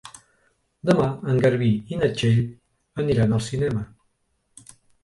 Demà en Garbí i na Txell aniran al cinema.